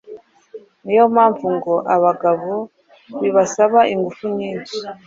niyo mpamvu ngo abagabo bibasaba ingufu nyinshi